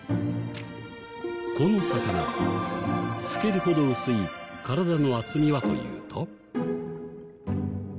この魚透けるほど薄い体の厚みはというと。